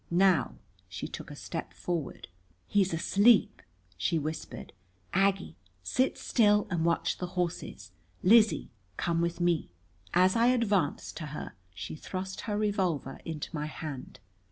Now she took a step forward. "He's asleep!" she whispered. "Aggie, sit still and watch the horses. Lizzie, come with me." As I advanced to her she thrust her revolver into my hand.